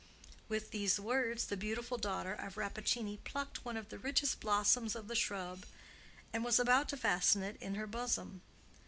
With these words the beautiful daughter of Rappaccini plucked one of the richest blossoms of the shrub, and was about to fasten it in her bosom.